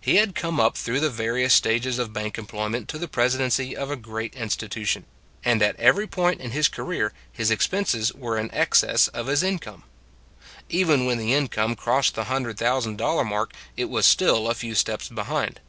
He had come up through the various stages of bank employment to the presi dency of a great institution; and at every point in his career his expenses were in ex cess of his income. Even when the income crossed the hun dred thousand dollar mark, it was still a few steps behind.